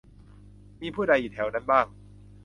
มีผู้ใดอยู่แถวนั้นบ้าง